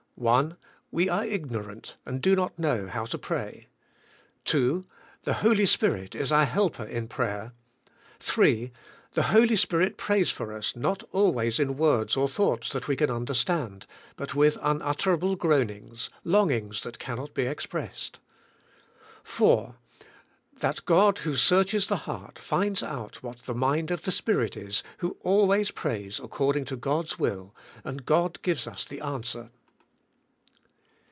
92 THE SPIRITUAL LIFE. 1. We are ig norant and do not know how to pray. 2. The Holy Spirit is our helper in prayer. 3. The Holy Spirit prays for us not always in words or thoughts that we can understand, but with unutterable groanings, longings that cannot be ex pressed. 4. That God who searches the heart finds out what the mind of the Spirit is who always prays according to God's will and God gives us the answer.